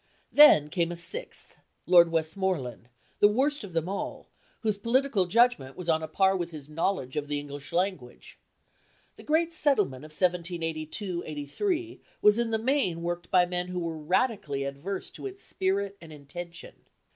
Then came a sixth, Lord Westmoreland, the worst of them all, whose political judgment was on a par with his knowledge of the English language. The great settlement of 1782 3 was in the main worked by men who were radically adverse to its spirit and intention.